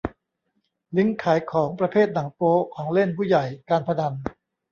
ลิงก์ขายของประเภทหนังโป๊ ของเล่นผู้ใหญ่ การพนัน